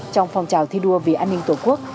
trong phong trào thi đua vì an ninh tổ quốc